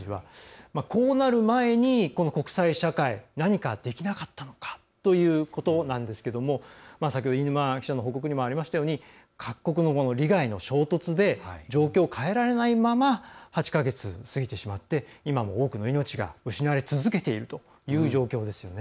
こうなる前にこの国際社会何かできなかったのかということなんですけども先ほど飯沼記者の報告にもありましたように各国の利害の衝突で状況を変えられないまま８か月過ぎてしまって今も多くの命が失われ続けているという状況ですよね。